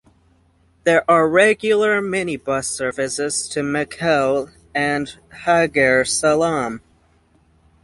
There are regular minibus services to Mekelle and Hagere Selam.